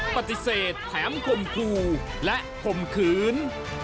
ปฏิเสธแถมคมครูและคมคืน